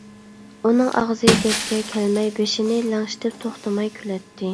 ئۇنىڭ ئاغزى گەپكە كەلمەي، بېشىنى لىڭشىتىپ توختىماي كۈلەتتى.